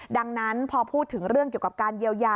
ดังนั้นพอพูดถึงเรื่องเกี่ยวกับการเยียวยา